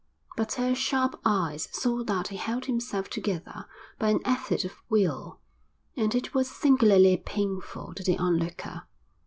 But her sharp eyes saw that he held himself together by an effort of will, and it was singularly painful to the onlooker.